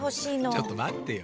ちょっとまってよ。